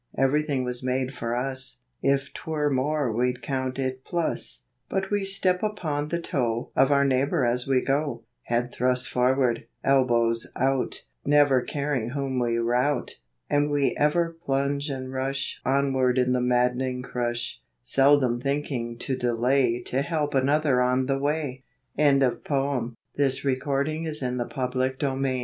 Everything was made for us, If 'twere more we'd count it plus. And we step upon the toe Of our neighbor a,s we go, Head thrust forward, elbows out, Never caring whom we rout. And we ever plunge and rush Onward in the maddening crush, Seldom thinking to delay To help another on the way. UNDERSTANDING When the morning mists of life From our